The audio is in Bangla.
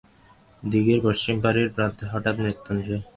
দিঘির পশ্চিমপাড়ির প্রান্তে হঠাৎ মৃত্যুঞ্জয় থমকিয়া দাঁড়াইল।